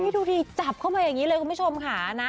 นี่ดูดิจับเข้ามาอย่างนี้เลยคุณผู้ชมค่ะนะ